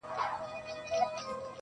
په يبلو پښو روان سو.